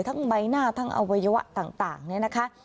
ใบหน้าทั้งอวัยวะต่างเนี่ยนะคะ